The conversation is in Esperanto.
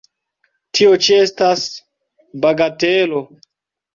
Tio ĉi estas bagatelo!